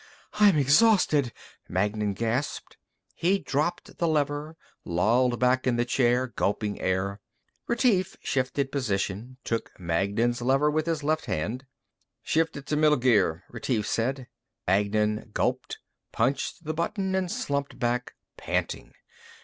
"I'm exhausted," Magnan gasped. He dropped the lever, lolled back in the chair, gulping air. Retief shifted position, took Magnan's lever with his left hand. "Shift it to middle gear," Retief said. Magnan gulped, punched the button and slumped back, panting.